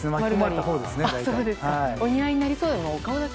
お似合いになりそうです。